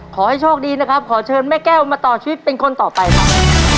ขอให้โชคดีนะครับขอเชิญแม่แก้วมาต่อชีวิตเป็นคนต่อไปครับ